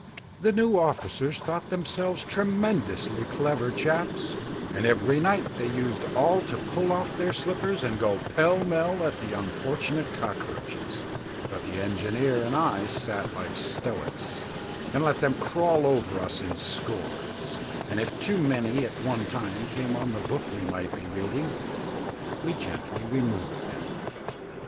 The new officers thought themselves tremendously clever chaps, and every night they used all to pull off their slippers and go pell mell at the unfortunate cockroaches; but the engineer and I sat like stoics, and let them crawl over us in scores, and if too many at one time came on the book we might be reading, we gently removed them.